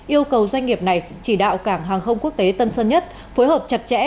yêu cầu doanh nghiệp này chỉ đạo cảng hàng không quốc tế tân sơn nhất phối hợp chặt chẽ